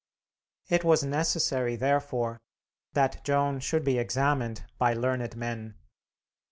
It was necessary, therefore, that Joan should be examined by learned men.